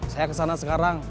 saya kesana sekarang